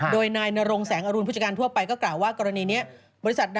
โดยนายนรงแสงอรุณผู้จัดการทั่วไปก็กล่าวว่ากรณีนี้บริษัท